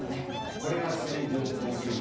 これが線状降水帯。